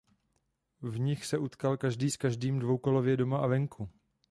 V nich se utkal každý s každým dvoukolově doma a venku.